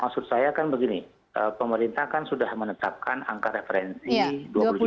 maksud saya kan begini pemerintah kan sudah menetapkan angka referensi dua puluh tujuh juta